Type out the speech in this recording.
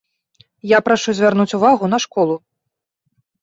Я прашу звярнуць увагу на школу.